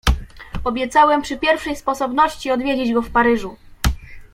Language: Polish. "Obiecałem przy pierwszej sposobności odwiedzić go w Paryżu."